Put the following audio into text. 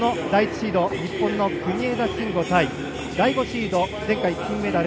シード日本の国枝慎吾対第５シードは前回、金メダル